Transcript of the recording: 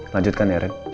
lanjutkan ya ren